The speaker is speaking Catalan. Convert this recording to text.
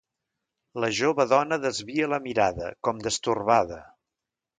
La jove dona desvia la mirada, com destorbada.